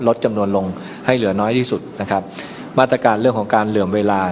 ลดจำนวนลงให้เหลือน้อยที่สุดนะครับมาตรการเรื่องของการเหลื่อมเวลา